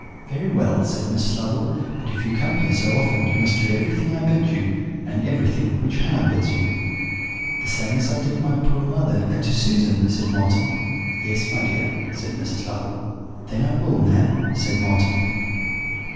"'Very well,' said Mrs. Lovel; 'but if you come here so often you must do everything I bid you, and everything which Hannah bids you.' "'The same as I did to my poor mother, and to Susan?' said Marten. "'Yes, my dear,' said Mrs. Lovel. "'Then I will, ma'am,' said Marten.